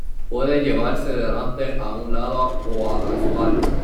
Puede llevarse delante, a un lado o a la espalda.